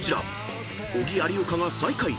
［小木有岡が最下位］